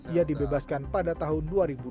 ia dibebaskan pada tahun dua ribu dua puluh satu